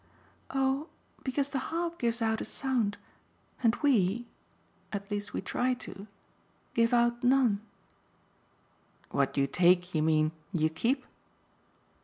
"Oh because the harp gives out a sound, and WE at least we try to give out none." "What you take, you mean, you keep?"